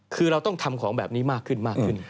คือเราต้องทำของแบบนี้มากขึ้นมากขึ้น